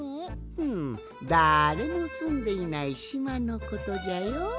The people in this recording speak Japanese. ふむだれもすんでいないしまのことじゃよ。